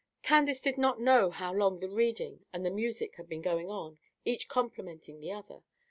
Candace did not know how long the reading and the music had been going on, each complementing the other.